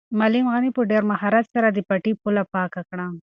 معلم غني په ډېر مهارت سره د پټي پوله پاکه کړه.